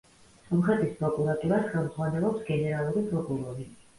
სომხეთის პროკურატურას ხელმძღვანელობს გენერალური პროკურორი.